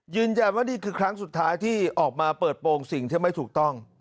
ยืนยันว่านี่คือครั้งสุดท้ายที่ออกมาเปิดโปรงสิ่งที่ไม่ถูกต้อง